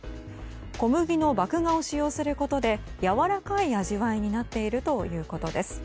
小麦の麦芽を使用することで柔らかい味わいになっているということです。